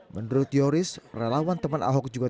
menurut yoris relawan teman ahok juga